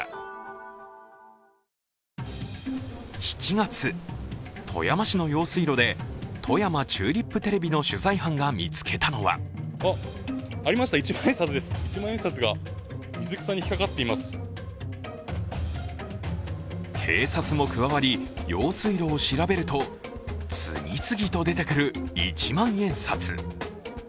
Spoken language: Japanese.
７月、富山市の用水路で富山チューリップテレビの取材班が見つけたのは警察も加わり、用水路を調べると次々と出てくる一万円札。